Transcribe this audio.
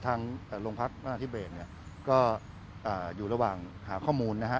ทางโรงพรรคมศภิเวรก็อยู่ระหว่างหาข้อมูลนะฮะ